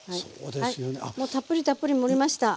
たっぷりたっぷり盛りました。